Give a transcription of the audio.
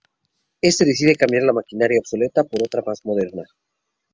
Éste decide cambiar la maquinaria obsoleta por otra más moderna.